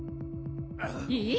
いい？